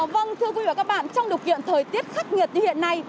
vâng thưa quý vị và các bạn trong điều kiện thời tiết khắc nghiệt như hiện nay